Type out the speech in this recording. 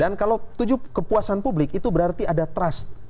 dan kalau kepuasan publik itu berarti ada trust